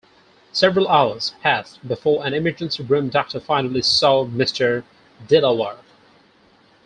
Several hours passed before an emergency room doctor finally saw Mr. Dilawar.